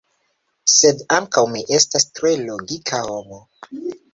sed ankaŭ mi estas tre logika homo